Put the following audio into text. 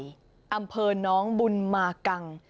อำเภอน้องบุญมากัง